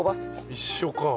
一緒か。